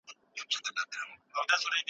چي کورونا دی که کورونا ده